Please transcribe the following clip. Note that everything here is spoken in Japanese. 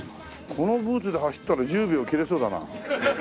このブーツで走ったら１０秒切れそうだな。